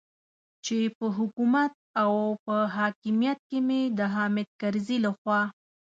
چې په حکومت او په حاکمیت کې مې د حامد کرزي لخوا.